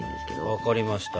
分かりました。